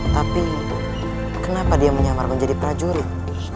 tapi kenapa dia menyamar menjadi prajurit